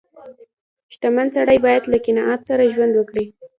• شتمن سړی باید له قناعت سره ژوند وکړي.